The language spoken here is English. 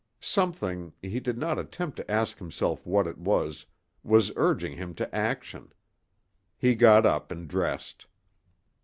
Something he did not attempt to ask himself what it was was urging him to action. He got up and dressed.